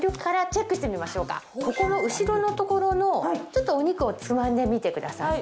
ここの後ろの所のちょっとお肉をつまんでみてください。